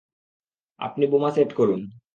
আপনি বোমা সেট করুন।